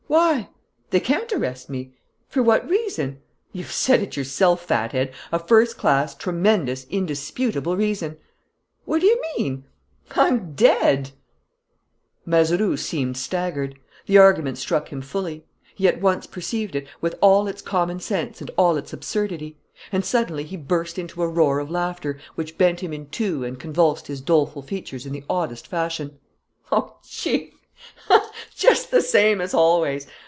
"Why?" "They can't arrest me." "For what reason?" "You've said it yourself, fat head: a first class, tremendous, indisputable reason." "What do you mean?" "I'm dead!" Mazeroux seemed staggered. The argument struck him fully. He at once perceived it, with all its common sense and all its absurdity. And suddenly he burst into a roar of laughter which bent him in two and convulsed his doleful features in the oddest fashion: "Oh, Chief, just the same as always!...